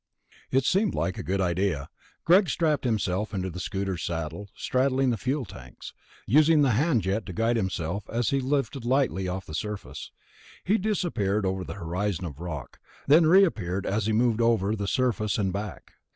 It seemed like a good idea. Greg strapped himself into the scooter's saddle, straddling the fuel tanks, using the hand jet to guide himself as he lifted lightly off the surface. He disappeared over the horizon of rock, then reappeared as he moved over the surface and back.